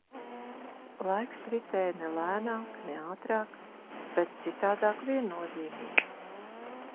Laiks ritēja ne lēnāk, ne ātrāk, bet citādāk viennozīmīgi.